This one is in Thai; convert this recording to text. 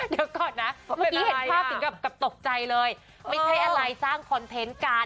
เดี๋ยวก่อนนะเมื่อกี้เห็นภาพถึงกับตกใจเลยไม่ใช่อะไรสร้างคอนเทนต์กัน